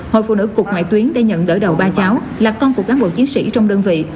hội phụ nữ cục ngoại tuyến đã nhận đỡ đầu ba cháu là con của cán bộ chiến sĩ trong đơn vị